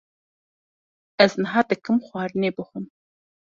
Ez niha dikim xwarinê bixwim.